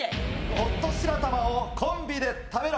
「ホット白玉をコンビで食べろ！」